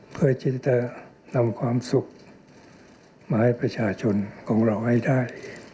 เพื่อที่จะนำความสุขมาให้ประชาชนของเราให้ได้